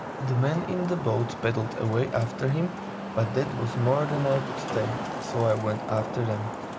The men in the boat paddled away after him, but that was more than I could stand, so I went after them.